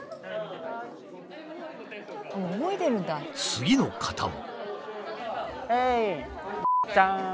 次の方も。